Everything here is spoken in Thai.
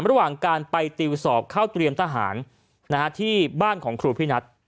ระหว่างการไปติวสอบเข้าเตรียมทหารที่บ้านของครูพี่นัท